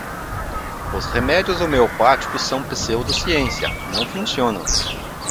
Os remédios homeopáticos são pseudociência: não funcionam